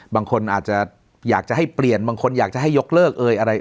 บางคนอาจจะอยากจะให้เปลี่ยนบางคนอยากจะให้ยกเลิกเอ่ยอะไร